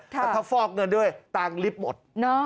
แต่ถ้าฟอกเงินด้วยตังค์ลิฟต์หมด